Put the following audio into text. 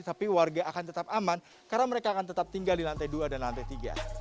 tapi warga akan tetap aman karena mereka akan tetap tinggal di lantai dua dan lantai tiga